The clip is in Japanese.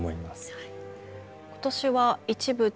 はい。